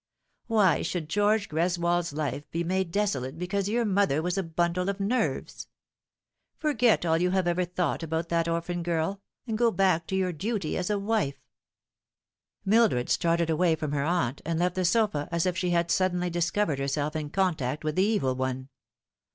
Why should George Greswold's life be made desolate because your mother was a bundle of nerves ? Forget all you have ever thought about that orphan girl, and go back to your duty as a wife." Mildred started away from her aunt, and left the sofa as if she had suddenly discovered herself in contact with the Evil One.